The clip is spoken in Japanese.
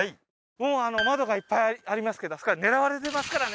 もうあの窓がいっぱいありますけどあそこから狙われてますからね